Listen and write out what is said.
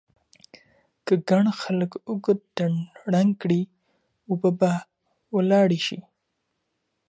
که ګڼ خلګ اوږد ډنډ ړنګ کړي، اوبه به ولاړي سي.